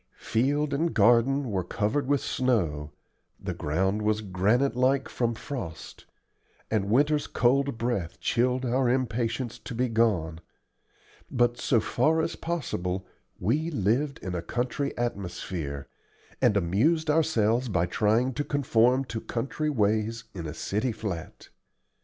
Field and garden were covered with snow, the ground was granite like from frost, and winter's cold breath chilled our impatience to be gone; but so far as possible we lived in a country atmosphere, and amused ourselves by trying to conform to country ways in a city flat.